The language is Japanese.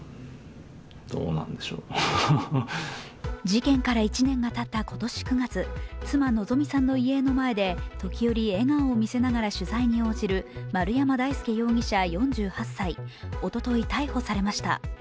事件から１年がたった今年９月、妻・希美さんの遺影の前で時折笑顔を見せながら取材に応じる丸山大輔容疑者４８歳、おととい逮捕されました。